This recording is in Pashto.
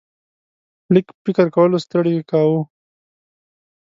لږ فکر کولو ستړی کاوه.